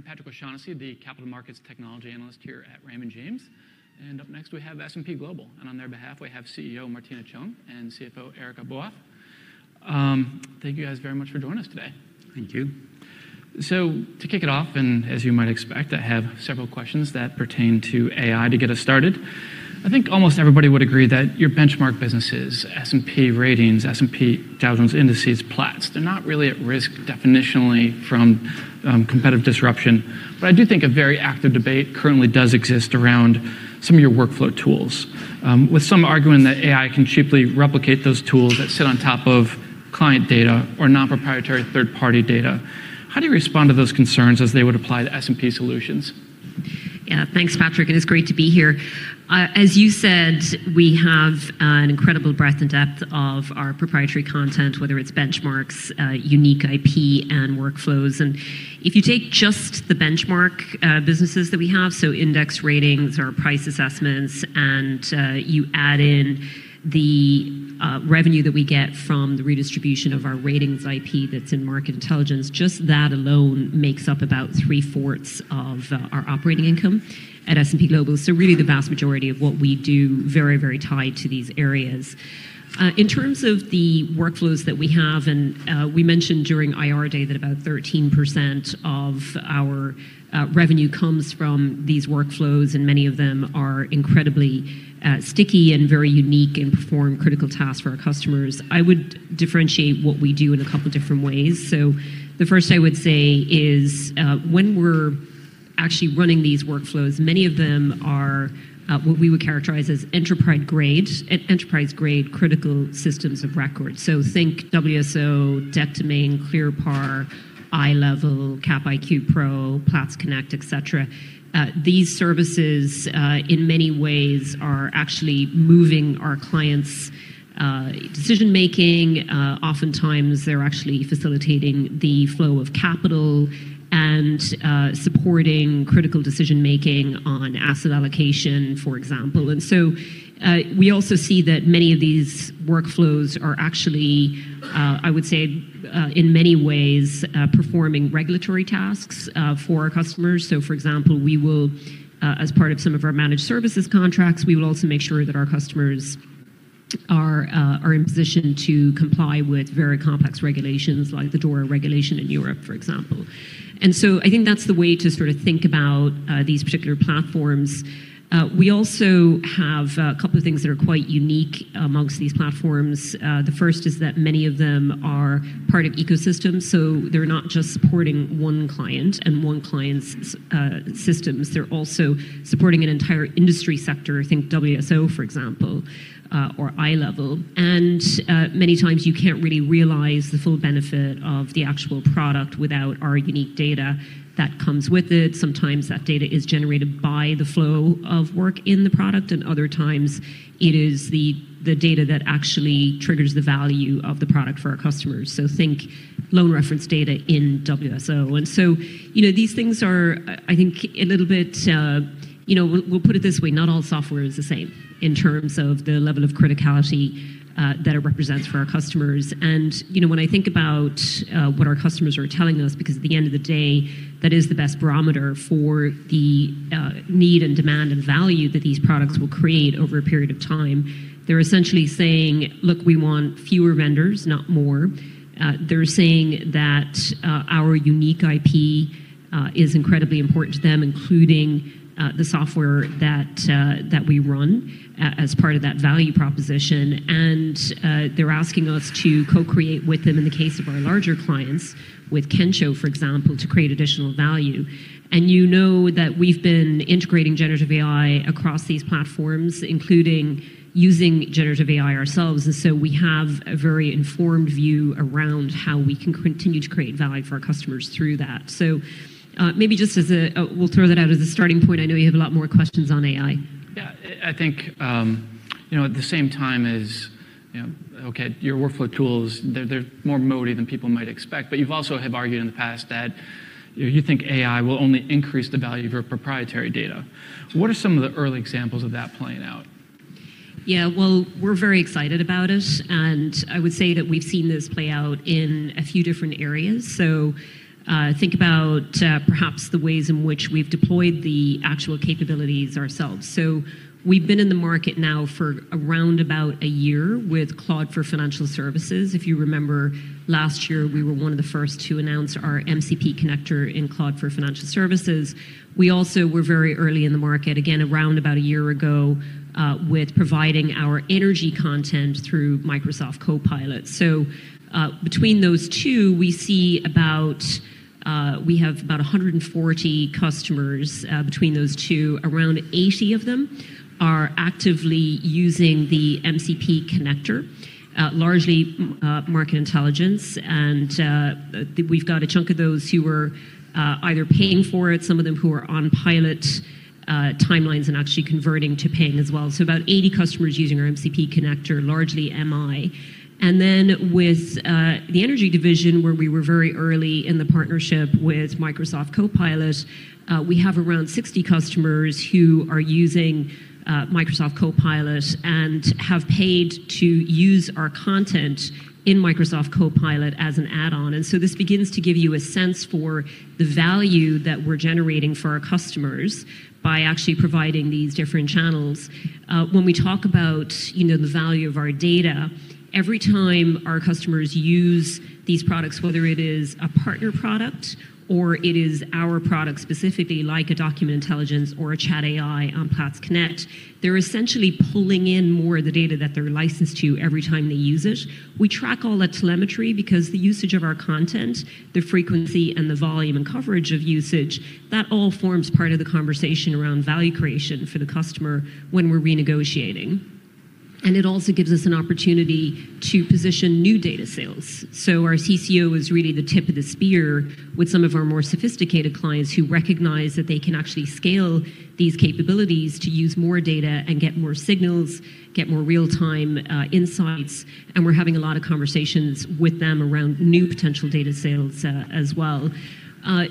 I'm Patrick O'Shaughnessy, the capital markets technology analyst here at Raymond James. Up next we have S&P Global. On their behalf, we have CEO Martina Cheung and CFO Eric Aboaf. Thank you guys very much for joining us today. Thank you. To kick it off, and as you might expect, I have several questions that pertain to AI to get us started. I think almost everybody would agree that your benchmark businesses, S&P Ratings, S&P Dow Jones Indices, Platts, they're not really at risk definitionally from competitive disruption. I do think a very active debate currently does exist around some of your workflow tools, with some arguing that AI can cheaply replicate those tools that sit on top of client data or non-proprietary third-party data. How do you respond to those concerns as they would apply to S&P solutions? Yeah. Thanks, Patrick. It is great to be here. As you said, we have an incredible breadth and depth of our proprietary content, whether it's benchmarks, unique IP and workflows. If you take just the benchmark businesses that we have, so index ratings or price assessments, and you add in the revenue that we get from the redistribution of our ratings IP that's in market intelligence, just that alone makes up about 3/4 of our operating income at S&P Global. Really the vast majority of what we do very tied to these areas. In terms of the workflows that we have, and we mentioned during IR Day that about 13% of our revenue comes from these workflows, and many of them are incredibly sticky and very unique and perform critical tasks for our customers. I would differentiate what we do in a couple different ways. The first I would say is, when we're actually running these workflows, many of them are what we would characterize as enterprise-grade critical systems of record. Think WSO, Debtdomain, ClearPar, iLEVEL, Capital IQ Pro, Platts Connect, et cetera. These services, in many ways are actually moving our clients' decision-making. Oftentimes they're actually facilitating the flow of capital and supporting critical decision-making on asset allocation, for example. We also see that many of these workflows are actually, I would say, in many ways, performing regulatory tasks for our customers. For example, we will, as part of some of our managed services contracts, we will also make sure that our customers are in position to comply with very complex regulations like the DORA regulation in Europe, for example. I think that's the way to sort of think about these particular platforms. We also have a couple of things that are quite unique amongst these platforms. The first is that many of them are part of ecosystems, so they're not just supporting one client and one client's systems. They're also supporting an entire industry sector. Think WSO, for example, or iLEVEL. Many times you can't really realize the full benefit of the actual product without our unique data that comes with it. Sometimes that data is generated by the flow of work in the product, and other times it is the data that actually triggers the value of the product for our customers. Think loan reference data in WSO. You know, these things are, I think a little bit. You know, we'll put it this way, not all software is the same in terms of the level of criticality that it represents for our customers. You know, when I think about what our customers are telling us, because at the end of the day, that is the best barometer for the need and demand and value that these products will create over a period of time. They're essentially saying, "Look, we want fewer vendors, not more." They're saying that our unique IP is incredibly important to them, including the software that we run as part of that value proposition. They're asking us to co-create with them in the case of our larger clients with Kensho, for example, to create additional value. You know that we've been integrating generative AI across these platforms, including using generative AI ourselves, and so we have a very informed view around how we can continue to create value for our customers through that. Maybe just as We'll throw that out as a starting point. I know you have a lot more questions on AI. Yeah. I think, you know, at the same time as, you know, okay, your workflow tools, they're more mody than people might expect. You've also have argued in the past that, you know, you think AI will only increase the value of your proprietary data. What are some of the early examples of that playing out? Yeah. Well, we're very excited about it, and I would say that we've seen this play out in a few different areas. Think about, perhaps the ways in which we've deployed the actual capabilities ourselves. We've been in the market now for around about a year with Cloud for Financial Services. If you remember last year, we were one of the first to announce our MCP connector in Cloud for Financial Services. We also were very early in the market, again around about a year ago, with providing our energy content through Microsoft Copilot. Between those two, we see about, we have about 140 customers, between those two. Around 80 of them are actively using the MCP connector, largely, market intelligence. We've got a chunk of those who are either paying for it, some of them who are on pilot timelines and actually converting to paying as well. About 80 customers using our MCP connector, largely MI. With the energy division where we were very early in the partnership with Microsoft Copilot, we have around 60 customers who are using Microsoft Copilot and have paid to use our content in Microsoft Copilot as an add-on. This begins to give you a sense for the value that we're generating for our customers by actually providing these different channels. When we talk about, you know, the value of our data, every time our customers use these products, whether it is a partner product or it is our product specifically, like a Document Intelligence or a ChatAI on Platts Connect, they're essentially pulling in more of the data that they're licensed to every time they use it. We track all that telemetry because the usage of our content, the frequency and the volume and coverage of usage, that all forms part of the conversation around value creation for the customer when we're renegotiating. It also gives us an opportunity to position new data sales. Our CCO is really the tip of the spear with some of our more sophisticated clients who recognize that they can actually scale these capabilities to use more data and get more signals, get more real-time insights, and we're having a lot of conversations with them around new potential data sales as well.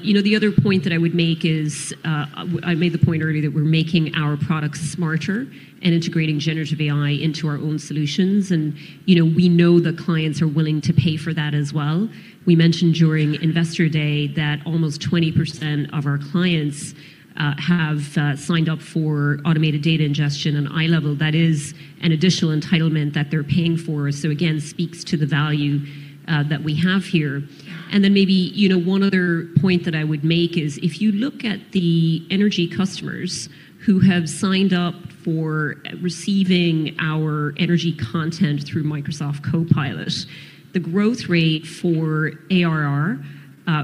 You know, the other point that I would make is, I made the point earlier that we're making our products smarter and integrating generative AI into our own solutions. You know, we know the clients are willing to pay for that as well. We mentioned during Investor Day that almost 20% of our clients have signed up for automated data ingestion at iLEVEL. That is an additional entitlement that they're paying for. Again, speaks to the value that we have here. Maybe, you know, one other point that I would make is if you look at the energy customers who have signed up for receiving our energy content through Microsoft Copilot, the growth rate for ARR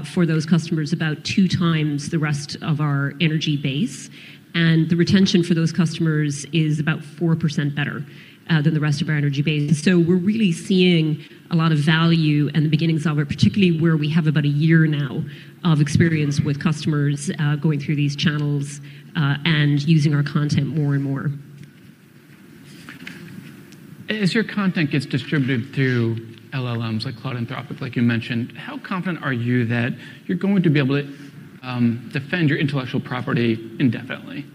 for those customers about 2x the rest of our energy base, and the retention for those customers is about 4% better than the rest of our energy base. We're really seeing a lot of value and the beginnings of it, particularly where we have about a year now of experience with customers going through these channels and using our content more and more. As your content gets distributed through LLMs like Claude and Anthropic, like you mentioned, how confident are you that you're going to be able to defend your intellectual property indefinitely?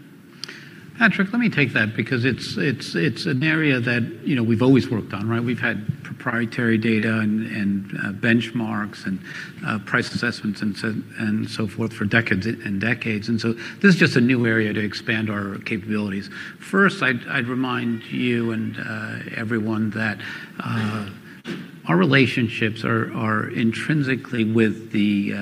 Patrick, let me take that because it's an area that, you know, we've always worked on, right? We've had proprietary data and benchmarks and price assessments and so and so forth for decades and decades. So this is just a new area to expand our capabilities. First, I'd remind you and everyone that our relationships are intrinsically with the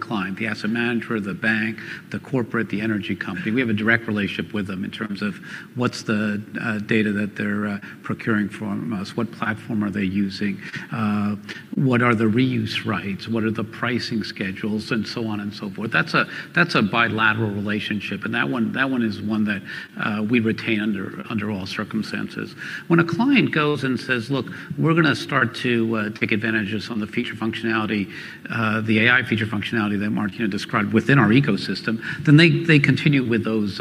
client, the asset manager, the bank, the corporate, the energy company. We have a direct relationship with them in terms of what's the data that they're procuring from us, what platform are they using, what are the reuse rights, what are the pricing schedules, and so on and so forth. That's a bilateral relationship, and that one is one that we retain under all circumstances. When a client goes and says, "Look, we're gonna start to take advantages on the feature functionality, the AI feature functionality that Martin, you know, described within our ecosystem," then they continue with those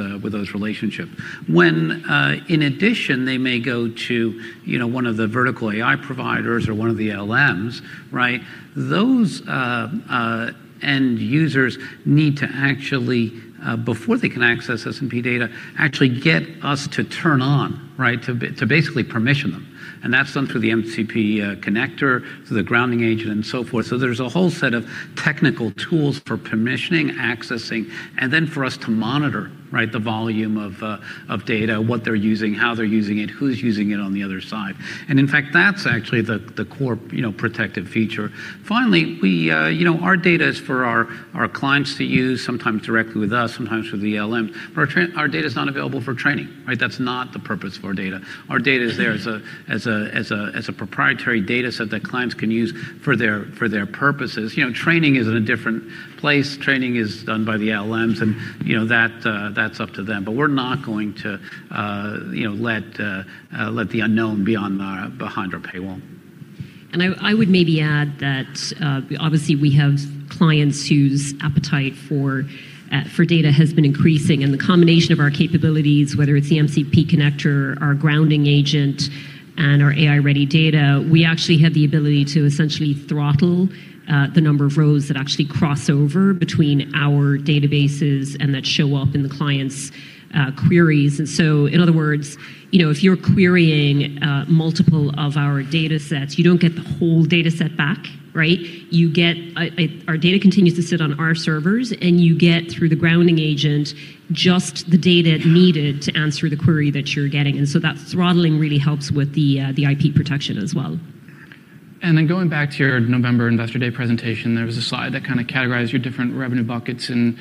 relationships. When in addition, they may go to, you know, one of the vertical AI providers or one of the LLMs, right? Those end users need to actually before they can access S&P data, actually get us to turn on, right? To basically permission them. That's done through the MCP connector, through the grounding agent, and so forth. There's a whole set of technical tools for permissioning, accessing, and then for us to monitor, right, the volume of data, what they're using, how they're using it, who's using it on the other side. In fact, that's actually the core, you know, protective feature. Finally, we, you know, our data is for our clients to use, sometimes directly with us, sometimes with the LLM. Our data is not available for training, right? That's not the purpose of our data. Our data is there as a proprietary data set that clients can use for their purposes. You know, training is in a different place. Training is done by the LLMs, and, you know, that's up to them. We're not going to, you know, let the unknown be behind our paywall. I would maybe add that, obviously we have clients whose appetite for data has been increasing, and the combination of our capabilities, whether it's the MCP connector, our grounding agent, and our AI-Ready Data, we actually have the ability to essentially throttle the number of rows that actually cross over between our databases and that show up in the client's queries. In other words, you know, if you're querying multiple of our datasets, you don't get the whole dataset back, right? You get, our data continues to sit on our servers, and you get through the grounding agent just the data needed to answer the query that you're getting. That throttling really helps with the IP protection as well. Going back to your November Investor Day presentation, there was a slide that kind of categorized your different revenue buckets. You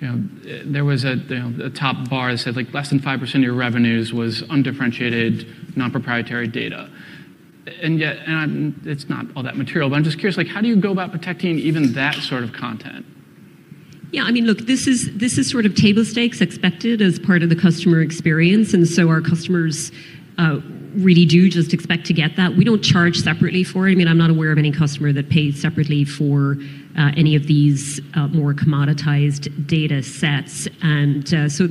know, there was a, you know, a top bar that said, like, less than 5% of your revenues was undifferentiated, non-proprietary data. It's not all that material, but I'm just curious, like, how do you go about protecting even that sort of content? Yeah, I mean, look, this is, this is sort of table stakes expected as part of the customer experience. Our customers really do just expect to get that. We don't charge separately for it. I mean, I'm not aware of any customer that pays separately for any of these more commoditized datasets.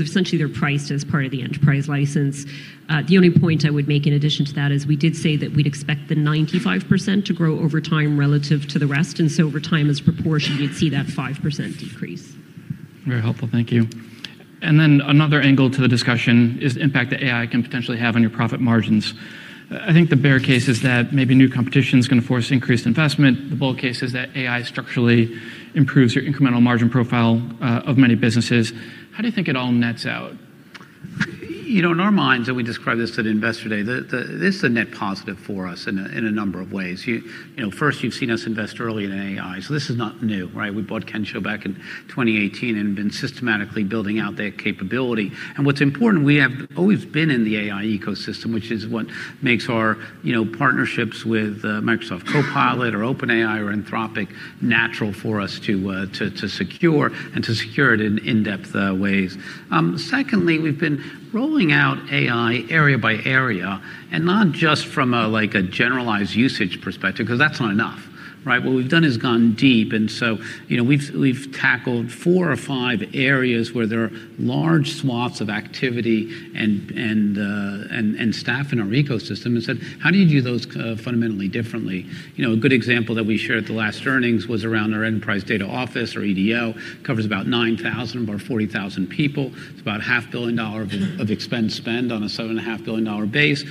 Essentially, they're priced as part of the enterprise license. The only point I would make in addition to that is we did say that we'd expect the 95% to grow over time relative to the rest. Over time, as proportioned, you'd see that 5% decrease. Very helpful. Thank you. Another angle to the discussion is the impact that AI can potentially have on your profit margins. I think the bear case is that maybe new competition is gonna force increased investment. The bull case is that AI structurally improves your incremental margin profile of many businesses. How do you think it all nets out? You know, in our minds, and we described this at Investor Day, this is a net positive for us in a, in a number of ways. You know, first you've seen us invest early in AI, so this is not new, right? We bought Kensho back in 2018 and been systematically building out their capability. What's important, we have always been in the AI ecosystem, which is what makes our, you know, partnerships with Microsoft Copilot or OpenAI or Anthropic natural for us to secure and to secure it in in-depth ways. Secondly, we've been rolling out AI area by area and not just from a, like, a generalized usage perspective 'cause that's not enough, right? What we've done is gone deep, you know, we've tackled four or five areas where there are large swaths of activity and staff in our ecosystem and said, "How do you do those fundamentally differently?" You know, a good example that we shared at the last earnings was around our Enterprise Data Office or EDO, covers about 9,000 of our 40,000 people. It's about a half billion dollar of expense spend on a seven and a half billion dollar base.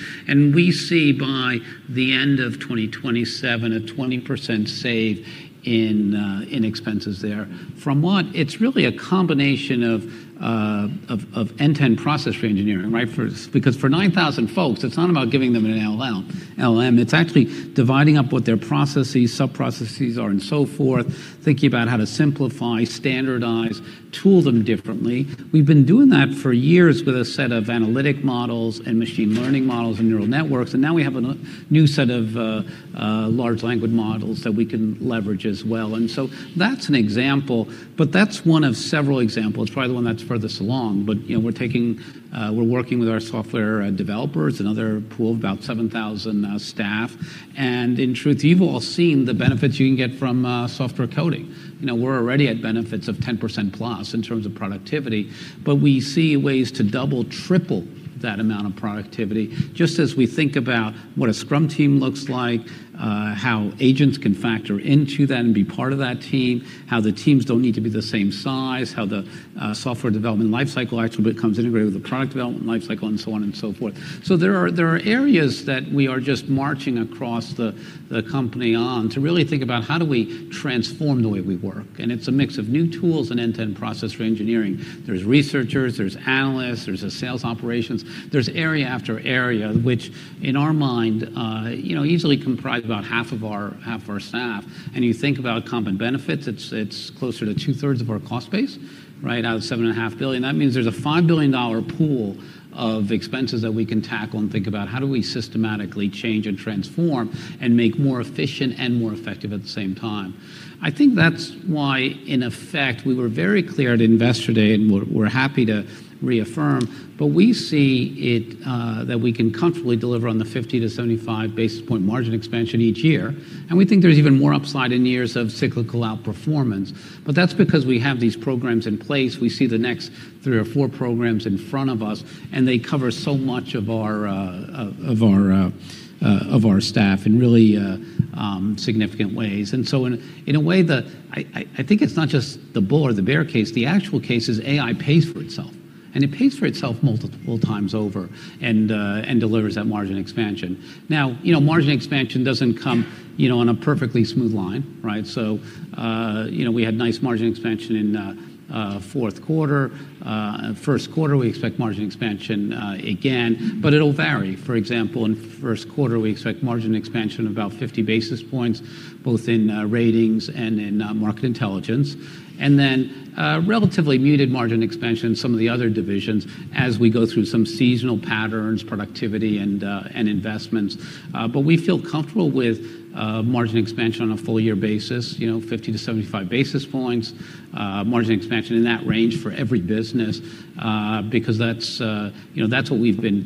We see by the end of 2027 a 20% save in expenses there. It's really a combination of end-to-end process reengineering, right? Because for 9,000 folks, it's not about giving them an LLM. It's actually dividing up what their processes, sub-processes are and so forth, thinking about how to simplify, standardize, tool them differently. We've been doing that for years with a set of analytic models and machine learning models and neural networks, and now we have a new set of large language models that we can leverage as well. That's an example, but that's one of several examples. It's probably the one that's furthest along. You know, we're working with our software developers, another pool of about 7,000 staff. In truth, you've all seen the benefits you can get from software coding. You know, we're already at benefits of 10%+ in terms of productivity. We see ways to double, triple that amount of productivity, just as we think about what a Scrum team looks like, how agents can factor into that and be part of that team, how the teams don't need to be the same size, how the software development life cycle actually becomes integrated with the product development life cycle, and so on and so forth. There are areas that we are just marching across the company on to really think about how do we transform the way we work. It's a mix of new tools and end-to-end process reengineering. There's researchers, there's analysts, there's sales operations. There's area after area, which in our mind, you know, easily comprise about half of our staff. You think about comp and benefits, it's closer to two-thirds of our cost base, right, out of $7.5 billion. That means there's a $5 billion pool of expenses that we can tackle and think about how do we systematically change and transform and make more efficient and more effective at the same time. I think that's why, in effect, we were very clear at Investor Day, and we're happy to reaffirm. We see it that we can comfortably deliver on the 50 to 75 basis point margin expansion each year, and we think there's even more upside in years of cyclical outperformance. That's because we have these programs in place. We see the next three or four programs in front of us, they cover so much of our staff in really significant ways. In a way, I think it's not just the bull or the bear case. The actual case is AI pays for itself, and it pays for itself multiple times over and delivers that margin expansion. You know, margin expansion doesn't come, you know, on a perfectly smooth line, right? You know, we had nice margin expansion in fourth quarter. First quarter, we expect margin expansion again, but it'll vary. For example, in first quarter, we expect margin expansion of about 50 basis points, both in ratings and in market intelligence. Then, relatively muted margin expansion in some of the other divisions as we go through some seasonal patterns, productivity, and investments. But we feel comfortable with margin expansion on a full year basis, you know, 50-75 basis points, margin expansion in that range for every business, because that's, you know, that's what we've been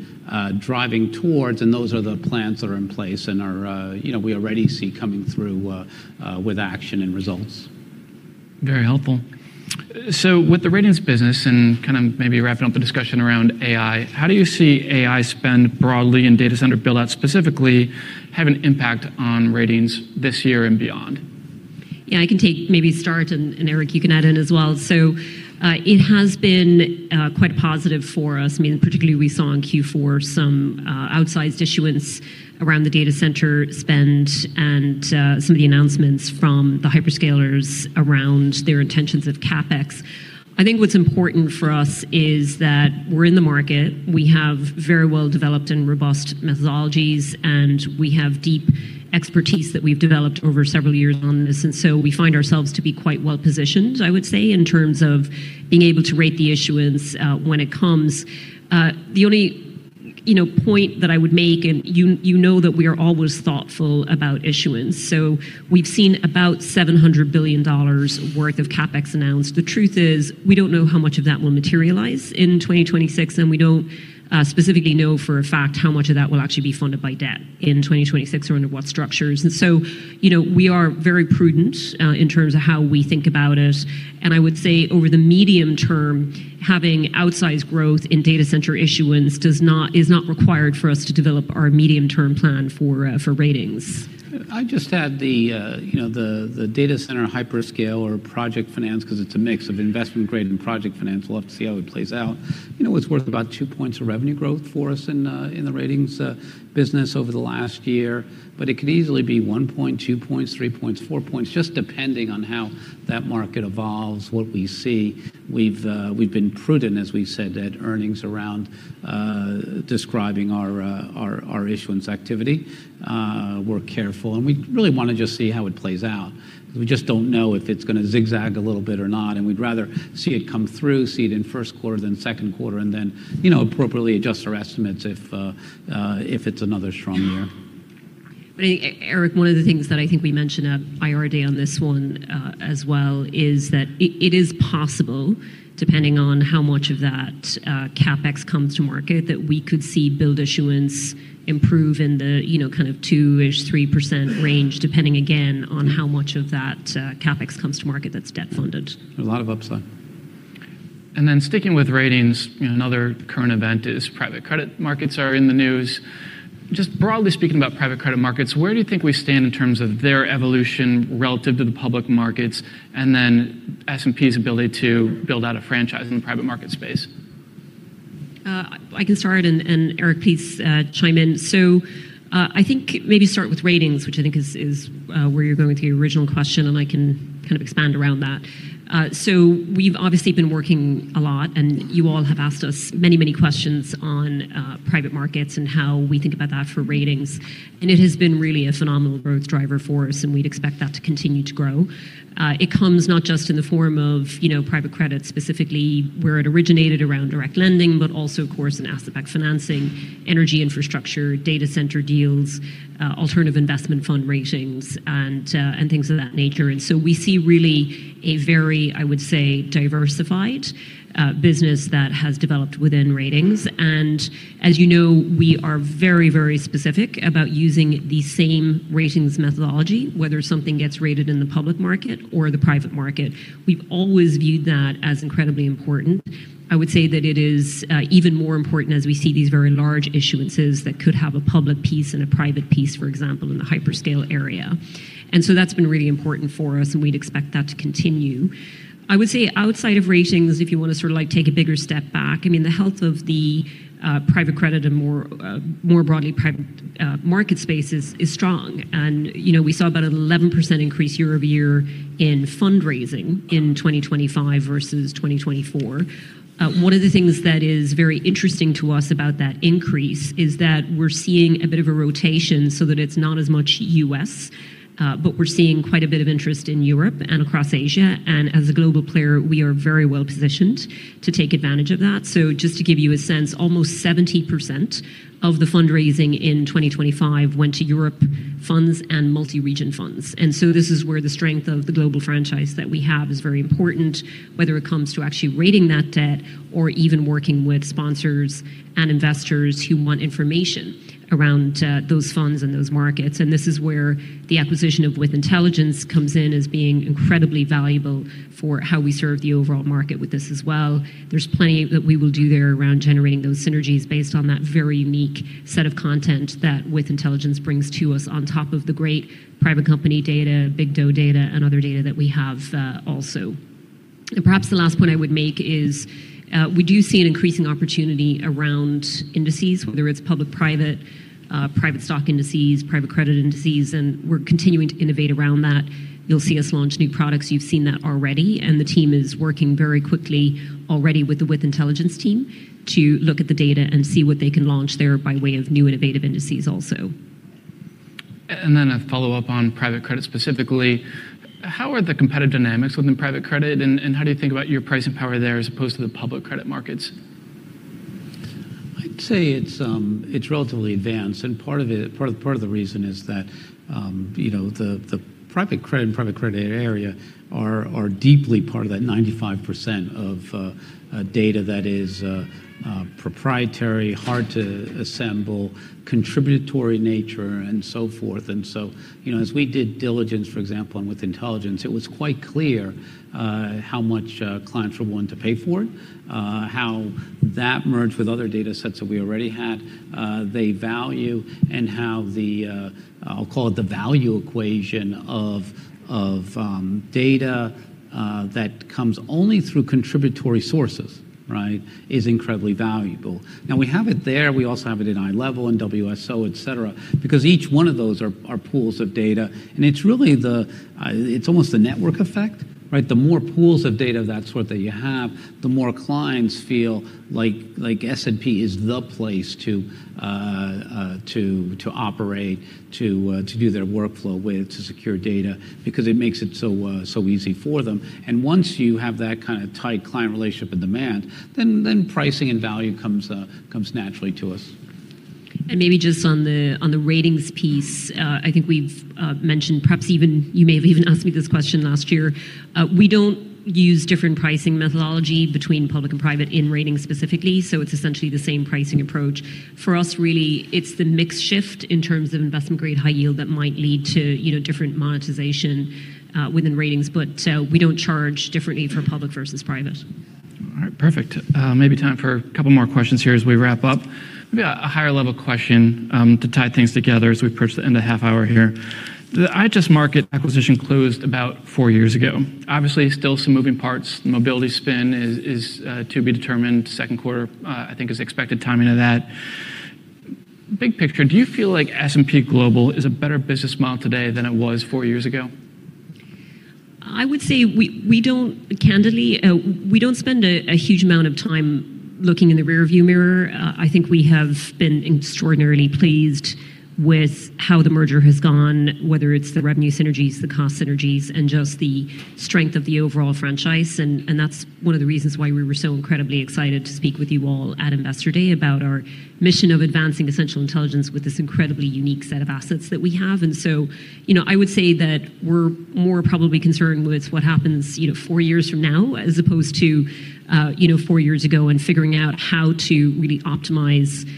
driving towards, and those are the plans that are in place and are, you know, we already see coming through with action and results. Very helpful. With the ratings business and kind of maybe wrapping up the discussion around AI, how do you see AI spend broadly in data center build out specifically have an impact on ratings this year and beyond? Yeah, I can take, maybe start, and Eric, you can add in as well. It has been quite positive for us. I mean, particularly we saw in Q4 some outsized issuance around the data center spend and some of the announcements from the hyperscalers around their intentions of CapEx. I think what's important for us is that we're in the market. We have very well-developed and robust methodologies, and we have deep expertise that we've developed over several years on this. We find ourselves to be quite well-positioned, I would say, in terms of being able to rate the issuance when it comes. The only, you know, point that I would make, and you know that we are always thoughtful about issuance. We've seen about $700 billion worth of CapEx announced. The truth is, we don't know how much of that will materialize in 2026, and we don't specifically know for a fact how much of that will actually be funded by debt in 2026 or under what structures. You know, we are very prudent in terms of how we think about it. I would say over the medium term, having outsized growth in data center issuance is not required for us to develop our medium-term plan for ratings. I'd just add the, you know, the data center hyperscale or project finance because it's a mix of investment grade and project finance. We'll have to see how it plays out. You know, it's worth about 2 points of revenue growth for us in the ratings business over the last year. It could easily be 1 point, 2 points, 3 points, 4 points, just depending on how that market evolves, what we see. We've been prudent, as we said, at earnings around describing our issuance activity. We're careful, and we really wanna just see how it plays out. We just don't know if it's gonna zigzag a little bit or not, and we'd rather see it come through, see it in first quarter then second quarter, and then, you know, appropriately adjust our estimates if if it's another strong year. I think, Eric, one of the things that I think we mentioned at IR Day on this one, as well, is that it is possible, depending on how much of that CapEx comes to market, that we could see build issuance improve in the, you know, kind of 2-ish%, 3% range, depending again on how much of that CapEx comes to market that's debt funded. A lot of upside. Sticking with ratings, you know, another current event is private credit markets are in the news. Just broadly speaking about private credit markets, where do you think we stand in terms of their evolution relative to the public markets and then S&P's ability to build out a franchise in the private market space? I can start, and Eric, please chime in. I think maybe start with ratings, which I think is where you're going with your original question, and I can kind of expand around that. We've obviously been working a lot, and you all have asked us many, many questions on private markets and how we think about that for ratings. It has been really a phenomenal growth driver for us, and we'd expect that to continue to grow. It comes not just in the form of, you know, private credit specifically where it originated around direct lending, but also, of course, in asset-backed financing, energy infrastructure, data center deals, alternative investment fund ratings, and things of that nature. We see really a very, I would say, diversified business that has developed within ratings. As you know, we are very, very specific about using the same ratings methodology, whether something gets rated in the public market or the private market. We've always viewed that as incredibly important. I would say that it is even more important as we see these very large issuances that could have a public piece and a private piece, for example, in the hyperscale area. That's been really important for us, and we'd expect that to continue. I would say outside of ratings, if you want to sort of like take a bigger step back, I mean, the health of the private credit and more broadly private market space is strong. You know, we saw about an 11% increase year-over-year in fundraising in 2025 versus 2024. One of the things that is very interesting to us about that increase is that we're seeing a bit of a rotation so that it's not as much U.S., but we're seeing quite a bit of interest in Europe and across Asia. As a global player, we are very well positioned to take advantage of that. Just to give you a sense, almost 70% of the fundraising in 2025 went to Europe funds and multi-region funds. This is where the strength of the global franchise that we have is very important, whether it comes to actually rating that debt or even working with sponsors and investors who want information around those funds and those markets. This is where the acquisition of With Intelligence comes in as being incredibly valuable for how we serve the overall market with this as well. There's plenty that we will do there around generating those synergies based on that very unique set of content that With Intelligence brings to us on top of the great private company data, BigDough data, and other data that we have also. Perhaps the last point I would make is, we do see an increasing opportunity around indices, whether it's public-private, private stock indices, private credit indices, and we're continuing to innovate around that. You'll see us launch new products. You've seen that already, and the team is working very quickly already with the With Intelligence team to look at the data and see what they can launch there by way of new innovative indices also. A follow-up on private credit specifically. How are the competitive dynamics within private credit, and how do you think about your pricing power there as opposed to the public credit markets? I'd say it's relatively advanced, and part of the reason is that, you know, the private credit and private credit area are deeply part of that 95% of data that is proprietary, hard to assemble, contributory nature, and so forth. You know, as we did diligence, for example, and With Intelligence, it was quite clear how much clients were willing to pay for it, how that merged with other data sets that we already had, they value and how the, I'll call it the value equation of data that comes only through contributory sources, right? Is incredibly valuable. Now we have it there. We also have it in iLEVEL and WSO, et cetera, because each one of those are pools of data. It's really the, it's almost the network effect, right? The more pools of data of that sort that you have, the more clients feel like S&P is the place to operate, to do their workflow with, to secure data because it makes it so easy for them. Once you have that kind of tight client relationship and demand, then pricing and value comes naturally to us. Maybe just on the, on the ratings piece, I think we've mentioned perhaps even you may have even asked me this question last year. We don't use different pricing methodology between public and private in ratings specifically. It's essentially the same pricing approach. For us, really, it's the mix shift in terms of investment-grade high yield that might lead to, you know, different monetization within ratings. We don't charge differently for public versus private. All right. Perfect. Maybe time for a couple more questions here as we wrap up. Maybe a higher-level question to tie things together as we approach the end of half hour here. The IHS Markit acquisition closed about four years ago. Obviously, still some moving parts. Mobility spin is to be determined. Second quarter, I think is expected timing of that. Big picture, do you feel like S&P Global is a better business model today than it was four years ago? I would say we don't Candidly, we don't spend a huge amount of time looking in the rearview mirror. I think we have been extraordinarily pleased with how the merger has gone, whether it's the revenue synergies, the cost synergies, and just the strength of the overall franchise. That's one of the reasons why we were so incredibly excited to speak with you all at Investor Day about our mission of advancing essential intelligence with this incredibly unique set of assets that we have. You know, I would say that we're more probably concerned with what happens, you know, four years from now as opposed to, you know, four years ago and figuring out how to really optimize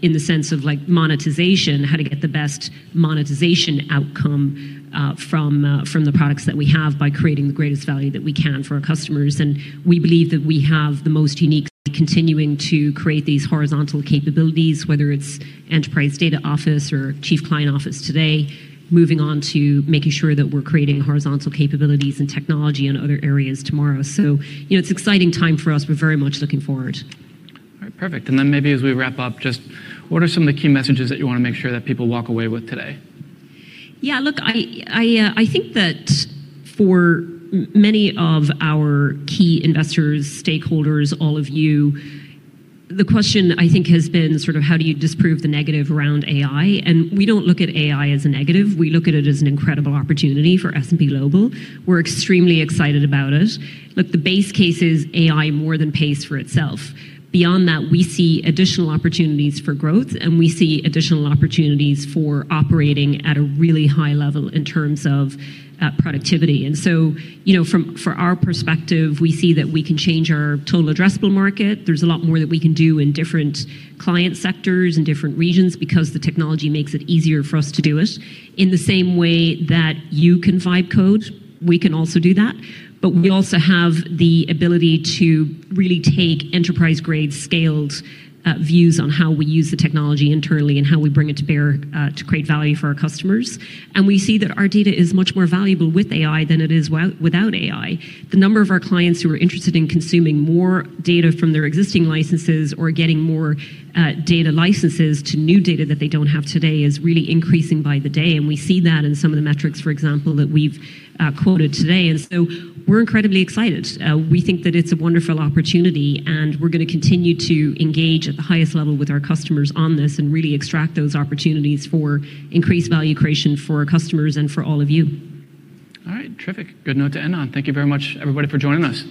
in the sense of like monetization, how to get the best monetization outcome from the products that we have by creating the greatest value that we can for our customers. We believe that we have the most unique. Continuing to create these horizontal capabilities, whether it's Enterprise Data Office or Chief Client Office today, moving on to making sure that we're creating horizontal capabilities and technology in other areas tomorrow. You know, it's exciting time for us. We're very much looking forward. All right. Perfect. Then maybe as we wrap up, just what are some of the key messages that you wanna make sure that people walk away with today? Yeah, look, I think that for many of our key investors, stakeholders, all of you, the question I think has been sort of how do you disprove the negative around AI. We don't look at AI as a negative. We look at it as an incredible opportunity for S&P Global. We're extremely excited about it. Look, the base case is AI more than pays for itself. Beyond that, we see additional opportunities for growth. We see additional opportunities for operating at a really high level in terms of productivity. You know, for our perspective, we see that we can change our total addressable market. There's a lot more that we can do in different client sectors and different regions because the technology makes it easier for us to do it. In the same way that you can vibe coding, we can also do that. We also have the ability to really take enterprise-grade scaled views on how we use the technology internally and how we bring it to bear to create value for our customers. We see that our data is much more valuable with AI than it is without AI. The number of our clients who are interested in consuming more data from their existing licenses or getting more data licenses to new data that they don't have today is really increasing by the day, and we see that in some of the metrics, for example, that we've quoted today. We're incredibly excited. We think that it's a wonderful opportunity, and we're gonna continue to engage at the highest level with our customers on this and really extract those opportunities for increased value creation for our customers and for all of you. All right. Terrific. Good note to end on. Thank you very much, everybody, for joining us.